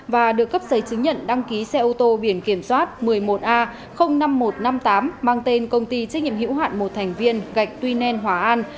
và được cấp giấy chứng nhận đăng ký xe ô tô biển kiểm soát một mươi một a năm nghìn một trăm năm mươi tám mang tên công ty trách nhiệm hữu hạn một thành viên gạch tuy nen hòa an